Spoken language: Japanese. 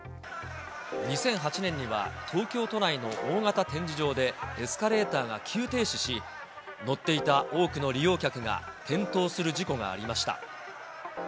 ２００８年には、東京都内の大型展示場で、エスカレーターが急停止し、乗っていた多くの利用客が転倒する事故がありました。